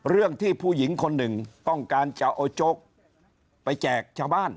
เรื่องที่ผู้หญิงคนหนึ่งต้องการจะเอาโจ๊กไปแจกชาวบ้าน